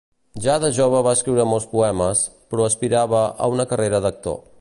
Ja de jove va escriure molts poemes, però aspirava a una carrera d'actor.